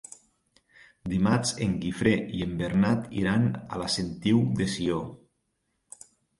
Dimarts en Guifré i en Bernat iran a la Sentiu de Sió.